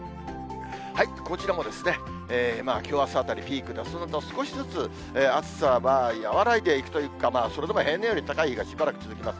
こちらもきょうあすあたりピークで、そのあとは少しずつ暑さは和らいでいくというか、それでも平年より高い日がしばらく続きます。